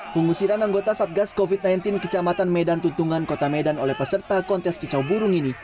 pengusiran anggota satgas covid sembilan belas kecamatan medan tutungan kota medan oleh peserta kontes kicau burung ini